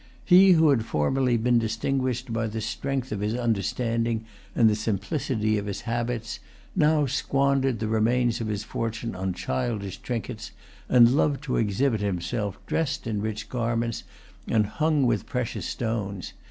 He who had formerly been distinguished by the strength of his understanding and the simplicity of his habits, now squandered the remains of his fortune on childish trinkets, and loved to exhibit himself dressed in rich garments, and hung with precious stones.